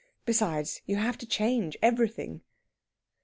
Besides, you have to change everything.